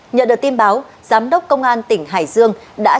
nhận được tin báo giám đốc công an tỉnh hải dương đã truyền thông báo